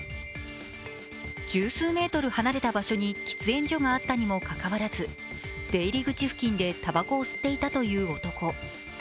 １０数メートル離れた場所に喫煙所があったにもかかわらず出入り口付近でたばこを吸っていたという男。